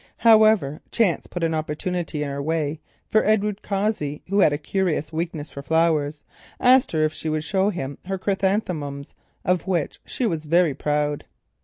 However, chance put an opportunity in her way, for Edward Cossey, who had a curious weakness for flowers, asked her if she would show him her chrysanthemums, of which she was very proud.